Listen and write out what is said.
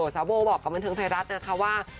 สาวโบบอกกับบันเทิงไทยรัฐนะคะว่า